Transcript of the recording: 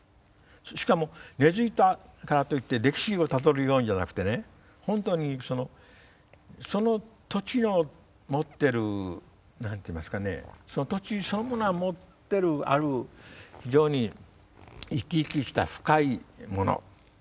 しかも根づいたからといって歴史をたどるようにじゃなくてね本当にその土地の持ってる何ていいますかねその土地そのものが持ってるある非常に生き生きした深いもの。